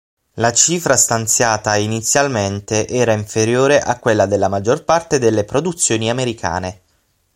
La cifra stanziata inizialmente era inferiore a quella della maggior parte delle produzioni americane.